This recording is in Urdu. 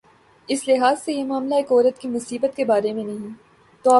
اس لحاظ سے یہ معاملہ ایک عورت کی مصیبت کے بارے میں نہیں۔